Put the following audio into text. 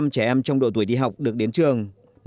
một trăm linh trẻ em trong độ tuổi đi học được đến trường